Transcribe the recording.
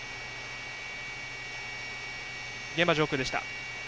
現場上空でした。